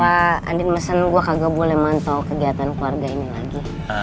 pak adin mesen gue kagak boleh mantau kegiatan keluarga ini lagi